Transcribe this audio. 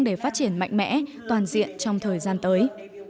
để phát triển mạnh mẽ toàn diện trong thời gian tới